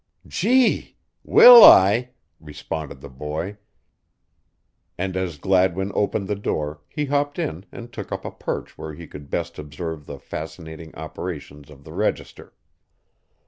"Gee! Will I?" responded the boy, and as Gladwin opened the door he hopped in and took up a perch where he could best observe the fascinating operations of the register.